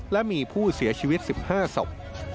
และมีผู้เสียชีวิต๑๕ศพ